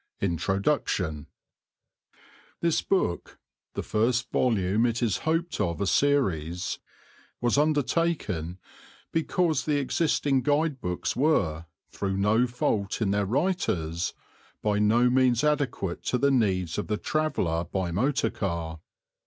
A.), 15 1/2. INTRODUCTION This book, the first volume it is hoped of a series, was undertaken because the existing Guide books were, through no fault in their writers, by no means adequate to the needs of the traveller by motor car.